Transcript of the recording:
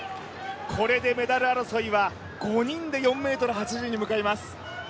これでメダル争いは５人で４ｍ８０に向かいます。